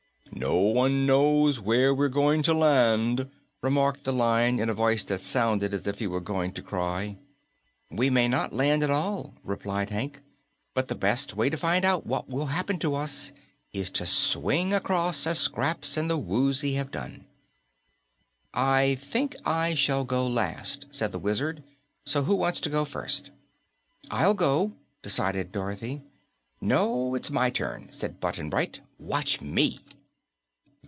"No one knows where we're going to land!" remarked the Lion in a voice that sounded as if he were going to cry. "We may not land at all," replied Hank, "but the best way to find out what will happen to us is to swing across as Scraps and the Woozy have done." "I think I shall go last," said the Wizard, "so who wants to go first?" "I'll go," decided Dorothy. "No, it's my turn first," said Button Bright. "Watch me!"